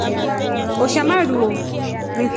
Oshamaru o.